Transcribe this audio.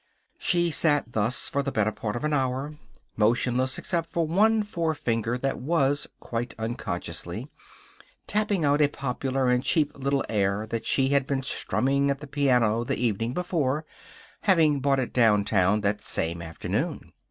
She sat thus for the better part of an hour, motionless except for one forefinger that was, quite unconsciously, tapping out a popular and cheap little air that she had been strumming at the piano the evening before, having bought it downtown that same afternoon.